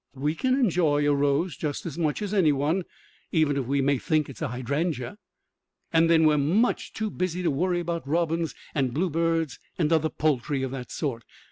We can enjoy a rose just as much as any one, even if we may think it's a hydrangea. And then we are much too busy to worry about robins and bluebirds and other poultry of that sort.